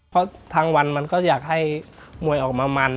พังวันมันก็อยากให้มวยออกมามัน